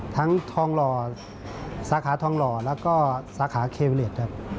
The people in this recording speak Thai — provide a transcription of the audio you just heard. ทั้งทองหล่อสาขาทองหล่อและก็สาขาเคเวเลส